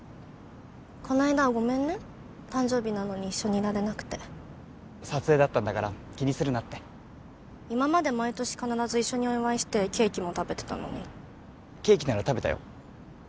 この間はごめんね誕生日なのに一緒にいられなくて撮影だったんだから気にするなって今まで毎年必ず一緒にお祝いしてケーキも食べてたのにケーキなら食べたよ